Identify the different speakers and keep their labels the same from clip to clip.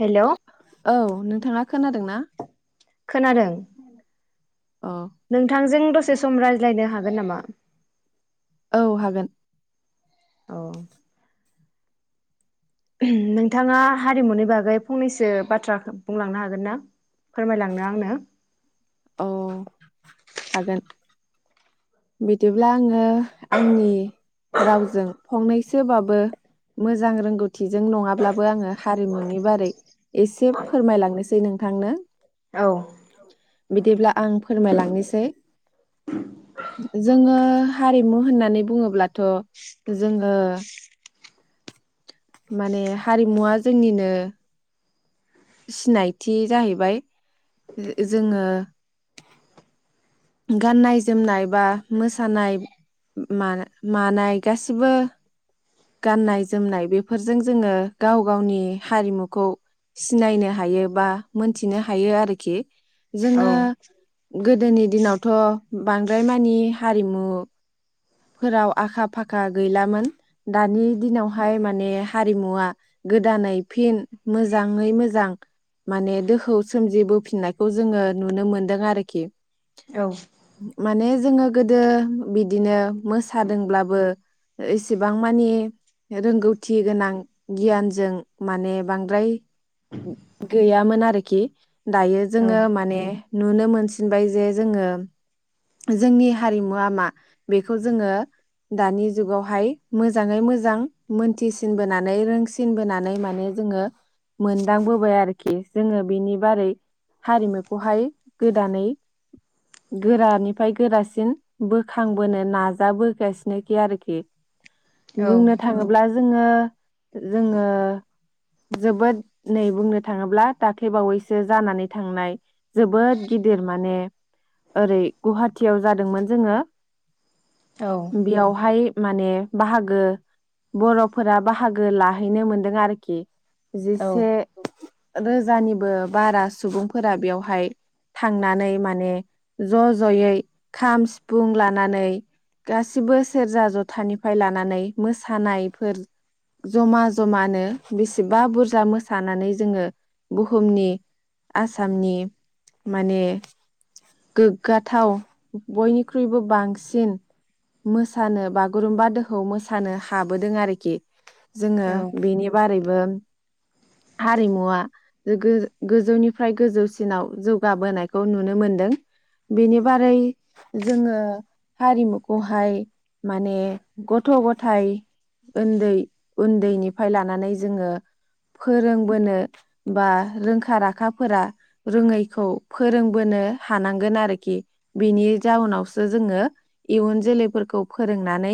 Speaker 1: Hello
Speaker 2: औ नोंथाङा खोनादों ना?
Speaker 1: खोनादों।
Speaker 2: औ
Speaker 1: नोंथांजों दसे सम रायज्लायनो हागोन नामा?
Speaker 2: औ हागोन
Speaker 1: औ। नोंथाङा हारिमुनि बागै फंनैसो बाथ्रा बुंलांनो हागोन ना? फोरमायलांनो आंनो?
Speaker 2: औ हागोन बिदिब्ला आङो ओ आंनि रावजों फंनैसोबाबो मोजां रोंगौथिजों नङाब्लाबो आङो हारिमुनि बारै एसे फोरमायलांनोसै नोंथांनो। बिदिब्ला आं फोरमायलांनोसै। जोङो हारिमु होननानै बुङोब्लाथ' जोङो माने हारिमुवा जोंनिनो सिनायथि जाहैबाय जोङो गाननाय जोमनाय बा मोसानाय मा-मानाय गासिबो गाननाय जोमनाय बेफोरजों जोङो गाव गावनि हारिमुखौ सिनायनो हायो बा मोनथिनो हायो आरोखि।
Speaker 1: औ
Speaker 2: जोङो गोदोनि दिनावथ' बां बांद्राय मानि हारिमुफोराव आखा फाखा गैलामोन दानि दिनावहाय माने हारिमुवा गोदानै फिन मोजाङै मोजां माने दोहौ सोमजिबोफिननायखौ जोङो नुनो मोनदों आरोखि।
Speaker 1: औ।
Speaker 2: माने जोङो गोदो बिदिनो मोसादोंब्लाबो एसेबां मानि रोंगौथि गोनां गियानजों माने बांद्राय गैयामोन आरोखि। दायो जोङो माने नुनो मोनसिनबाय जे जोङो जोंनि हारिमुआ मा बेखौ जोङो दानि जुगावहाय मोजाङै मोजां मोनथिसिनबोनानै रोंसिनबोनानै माने जोङो मोनदांबोबाय आरोखि, जोङो बिनि बारै हारिमुखौहाय गोदानै गोरानिफ्राय गोरासिन बोखांबोनो नाजाबोगासिनोखि आरोखि।
Speaker 1: औ
Speaker 2: बुंनो थाङोब्ला जोङो जोङो जोबोद नै बुंनो थाङोब्ला दाख्लैबावैसो जानानै थांनाय जोबोद गिदिर माने ओरै गुहाटियाव जादोंमोन जोङो
Speaker 1: औ
Speaker 2: बेयावहाय माने बाहागो बर'फोरा बाहागो लाहैनो मोनदों आरोखि
Speaker 1: औ
Speaker 2: जिसे रोजानिबो बारा सुबुंफोरा बेयावहाय थांनानै माने ज' ज'यै खाम सिफुं लानानै गासिबो सेरजा जथानिफ्राय लानानै मोसानायफोर जमा जमानो बेसेबा बुरजा मोसानानै जोङो बुहुमनि आसामनि माने गोग्गाथाव बयनिख्रुइबो बांसिन मोसानो बागुरुम्बा दोहौखौ मोसानो हाबोदों आरोखि। जोङो बेनि बारैबो बो हारिमुवा गो-गोजौनिफ्राय गोजौसिनाव जौगाबोनायखौ नुनो मोनदों। बेनि बारै जोङो हारिमुखौहाय माने गथ' गथाय उन्दै उन्दैनिफ्राय लानानै जोङो फोरोंबोनो बा रोंखा राखाफोरा रोङैखौ फोरोंबोनो हानांगोन आरोखि। बेनि जाउनावसो जोङो इयुन जोलैफोरखौ फोरोंनानै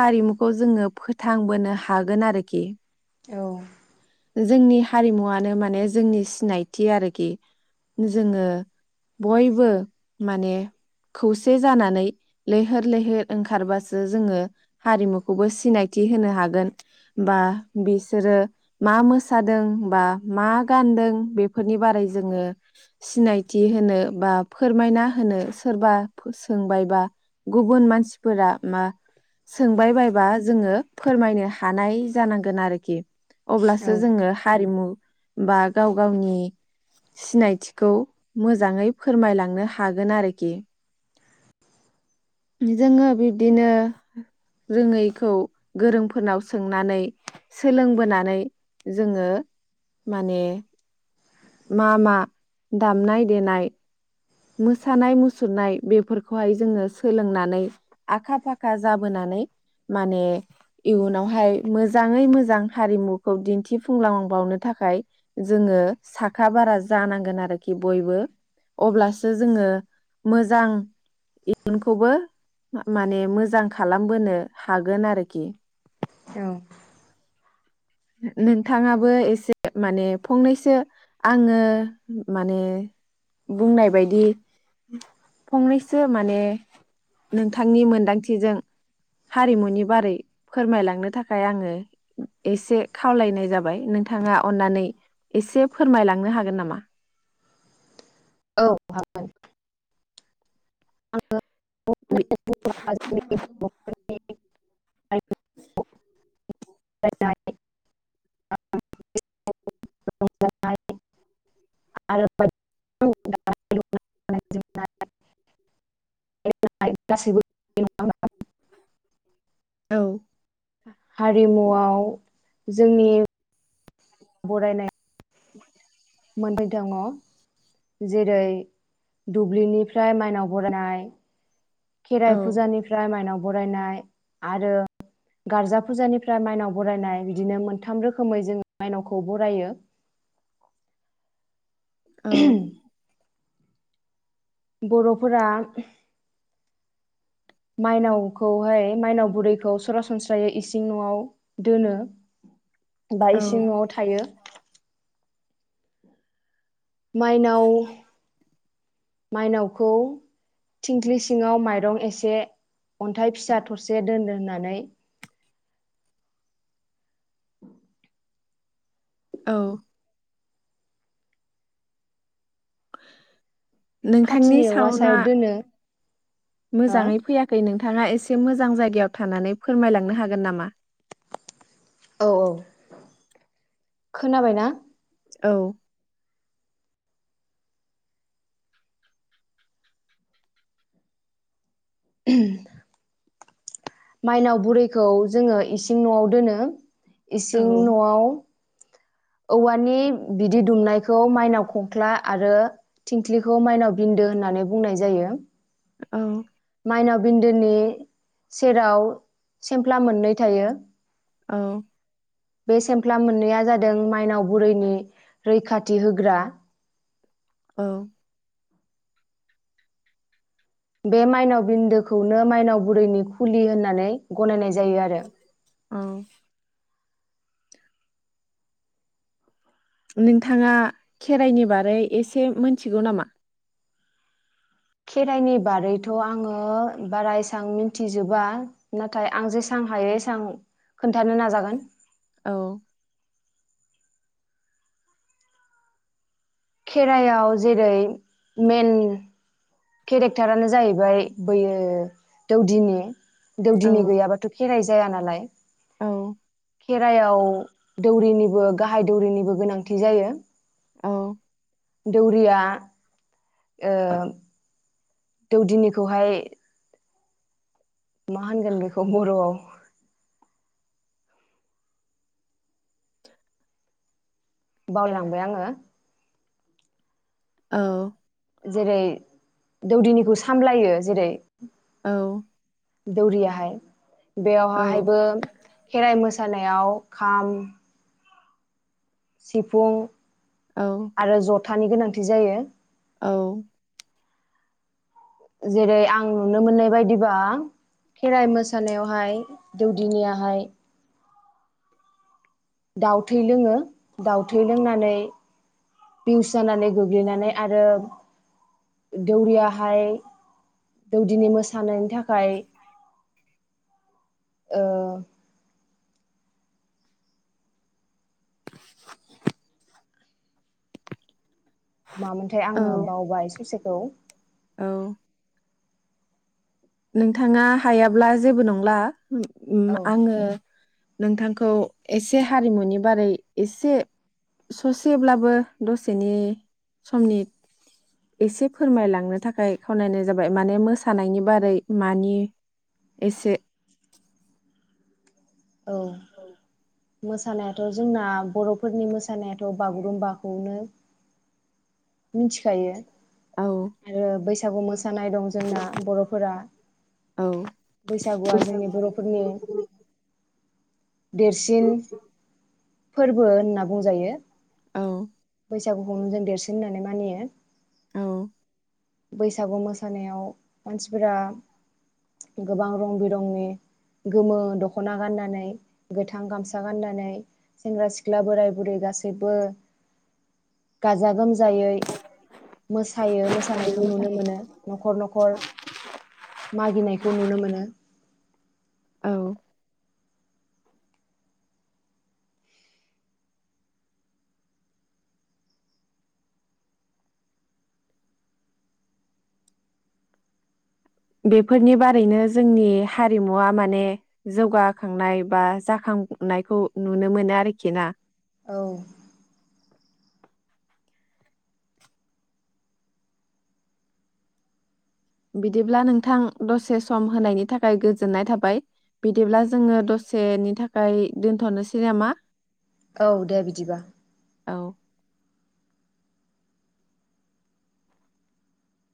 Speaker 2: हारिमुखौ जोङो फोथांबोनो हागोन आरोखि।
Speaker 1: औ।
Speaker 2: जोंनि हारिमुवानो माने जोंनि सिनायथि आरोखि। जोङो बयबो माने खौसे जानानै लैहोर लैहोर ओंखारबासो जोङो हारिमुखौबो सिनायथि होनो हागोन बा बिसोरो मा मोसादों बा मा गानदों बेफोरनि बारै जोङो सिनायथि होनो बा फोरमायना होनो सोरबा सोंबायबा गुबुन मानसिफोरा मा सोंबाय बायबा जोङो फोरमायनो हानाय जानांगोन आरोखि। अब्लासो
Speaker 1: औ
Speaker 2: जोङो हारिमु बा गाव गावनि सिनायथिखौ मोजाङै फोरमायलांनो हागोन आरोखि। जोङो बिब्दिनो रोङैखौ गोरोंफोरनाव सोंनानै, सोलोंबोनानै जोङो माने मा मा दामनाय देनाय मोसानाय मुसुरनाय बेफोरखौहाय जोङो सोलोंनानै आखा फाखा जाबोनानै माने इयुनावहाय मोजाङै मोजां हारिमुखौ दिन्थिफुंलांबावनो थाखाय जोङो साखा बारा जानांगोन आरोखि बयबो, अब्लासो जोङो मोजां इयुनखौबो माने मोजां खालामबोनो हागोन आरोखि।
Speaker 1: औ।
Speaker 2: नोंथाङाबो एसे माने फंनैसो आङो माने बुंनाय बायदि फंनैसो माने नोंथांनि मोनदांथिजों हारिमुनि बारै फोरमायलांनो थाखाय आङो एसे खावलायनाय जाबाय। नोंथाङा अन्नानै एसे फोरमायलांनो हागोन नामा?
Speaker 1: औ हागोन। आङो
Speaker 2: बे
Speaker 1: [unintelligible] [unintelligible] गासैबो [unintelligible]
Speaker 2: औ।
Speaker 1: हारिमुआव जोंनि बरायनाय
Speaker 2: [inaudible]
Speaker 1: मोननै दङ जेरै दुब्लिनिफ्राय माइनाव बरायनाय। खेराइ
Speaker 2: औ
Speaker 1: फुजानिफ्राय माइनाव बरायनाय आरो गारजा फुजानिफ्राय माइनाव बरायनाय बिदिनो मोनथाम रोखोमै जोङो माइनावखौ बरायो।
Speaker 2: औ।
Speaker 1: बर'फोरा माइनावखौहाय माइनाव बुरैखौ सरासनस्रायै इसिं न'आव दोनो। बा
Speaker 2: औ
Speaker 1: इसिं न'आव थायो। माइनाव मायनावखौ थिंख्लि सिङाव माइरं एसे अन्थाइ फिसा थरसे दोनो होननानै
Speaker 2: औ। [inaudible] नोंथांनि
Speaker 1: खाथिनि औवा
Speaker 2: साउन्डआ
Speaker 1: सायाव दोनो हो
Speaker 2: मोजाङै फैयाखै नोंथां। नोंथाङा एसे मोजां जायगायाव थानानै फोरमायलांनो हागोन नामा?
Speaker 1: औ औ खोनाबाय ना?
Speaker 2: औ।
Speaker 1: मायनाव बुरैखौ जोङो इसिं न'आव दोनो।
Speaker 2: औ
Speaker 1: इसिं न'आव औवानि बिदि दुमनायखौ माइनाव खंख्ला आरो थिंख्लिखौ माइनाव बिन्दो होननानै बुंनाय जायो।
Speaker 2: औ।
Speaker 1: माइनाव बिन्दोनि सेराव सेमफ्ला मोननै थायो।
Speaker 2: औ।
Speaker 1: बे सेमफ्ला मोननैया जादों माइनाव बुरैनि रैखाथि होग्रा
Speaker 2: औ।
Speaker 1: बे माइनाव बिन्दोखौनो माइनाव बुरैनि खुलि होननानै गनायनाय जायो आरो।
Speaker 2: औ। नोंथाङा खेराइनि बारै एसे मोनथिगौ नामा?
Speaker 1: खेराइनि बारैथ' आङो बारा एसां मिथिजोबा नाथाय आं जेसेबां हायो एसेबां खोन्थानो नाजागोन।
Speaker 2: औ।
Speaker 1: खेराइयाव जेरै मेन केरेक्टारानो जाहैबाय दैयो दौदिनि।
Speaker 2: औ
Speaker 1: दौदिनि गैयाबाथ' खेराइ जाया नालाय
Speaker 2: औ।
Speaker 1: खेरायाव दौरिनिबो गाहाय दौरिनिबो गोनांथि जायो।
Speaker 2: औ।
Speaker 1: दौरिया ओ दौदिनिखौहाय मा होनगोन बेखौ बर'आव बावलांबाय आङो।
Speaker 2: औ।
Speaker 1: जेरै दौदिनिखौ सामलायो जेरै
Speaker 2: औ
Speaker 1: दौरियाहाय बेयावहायबो खेराइ मोस सानायाव खाम सिफुं
Speaker 2: औ
Speaker 1: आरो जथ थानि गोनांथि जायो।
Speaker 2: औ
Speaker 1: जेरै आं नुनो मोननाय बायदिबा खेराइ मोसानायावहाय दौदिनियाहाय। दाउ थै लोङो दाउ थै लोंनानै पिउस जानानै गोग्लैनानै आरो दौरियाहाय दौदिनि मोसानायनि थाखाय ओ
Speaker 2: [inaudible]
Speaker 1: मामोनथाय आङो
Speaker 2: औ
Speaker 1: बावबाय ससेखौ
Speaker 2: औ नोंथाङा हायाब्ला जेबो नंला।
Speaker 1: औ
Speaker 2: आङो नोंथांखौ एसे हारिमुनि बारै एसे ससेब्लाबो दसेनि समनि एसे फोरमायलांनो थाखाय खावलायनाय जाबाय माने मोसानायनि बारै मानि एसे
Speaker 1: औ मोसानायाथ' जोंना बर'फोरनि मोसानायाथ' बागुरुम्बाखौनो मिन्थिखायो।
Speaker 2: औ
Speaker 1: आरो बैसागु मोसानाय दं जोंना बर'फोरा
Speaker 2: औ
Speaker 1: बैसागुआ जोंनि बर'फोरनि देरसिन फोरबो होनना बुंजायो।
Speaker 2: औ
Speaker 1: बैसागुखौनो जों देरसिन होन मानियो।
Speaker 2: औ
Speaker 1: बैसागु मोसानायाव मानसिफोरा गोबां रं बिरंनि गोमो दखना गाननानै गोथां गामसा गाननानै सेंग्रा सिख्ला बोराय बुरै गासैबो गाजा गोमज जायै मोसायो मोसानाय नुनो मोनो न'खर न'खर मागिनायखौ नुनो मोनो।
Speaker 2: औ बेफोरनि बारैनो जोंनि हारिमुआ माने जौगाखांनाय बा जाखांनायखौ नुनो मोनो आरखि ना।
Speaker 1: औ।
Speaker 2: बिदिब्ला नोंथां दसे सम होनायनि थाखाय गोजोननाय थाबाय बिदिब्ला जोङो दसेनि थाखाय दोनथ'नोसै नामा।
Speaker 1: औ दे बिदिबा।
Speaker 2: औ